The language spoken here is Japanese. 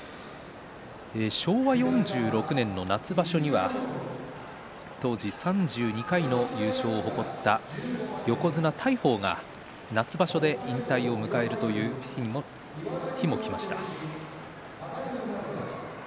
昭和４６年の夏場所は当時３２回の優勝を誇った横綱大鵬が夏場所で引退を迎えるという日もきました。